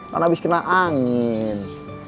kan abis kena angin